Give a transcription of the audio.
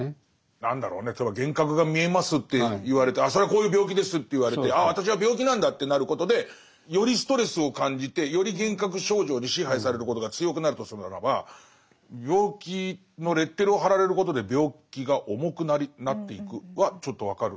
何だろうね例えば幻覚が見えますって言われてああそれはこういう病気ですと言われてああ私は病気なんだってなることでよりストレスを感じてより幻覚症状に支配されることが強くなるとするならば病気のレッテルを貼られることで病気が重くなっていくはちょっと分かる。